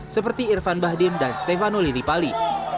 seperti irfan bahdim dan stefano lili pali